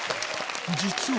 実は。